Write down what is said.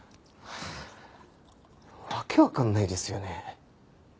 訳わかんないですよね。